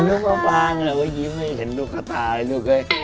ลูกมะปางไงว่ายิ้มไม่เห็นลูกข้าตาเลยลูก